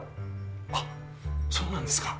あそうなんですか。